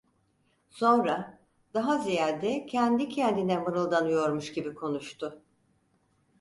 Sonra, daha ziyade kendi kendine mırıldanıyormuş gibi konuştu.